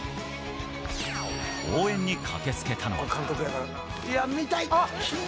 応援に駆けつけたのは。